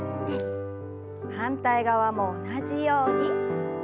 反対側も同じように。